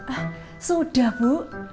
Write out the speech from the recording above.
ah sudah bu